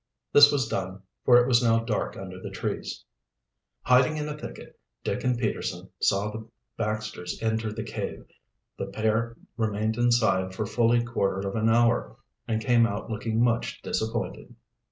This was done, for it was now dark under the trees. Hiding in a thicket, Dick and Peterson saw the Baxters enter the cave. The pair remained inside for fully quarter of an hour, and came out looking much disappointed.